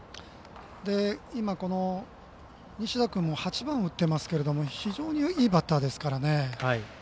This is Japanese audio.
今、西田君も８番を打っていますけども非常にいいバッターですから。